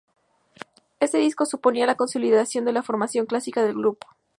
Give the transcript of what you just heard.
Este disco suponía la consolidación de la formación clásica del grupo.